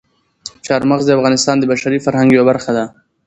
چار مغز د افغانستان د بشري فرهنګ یوه برخه ده.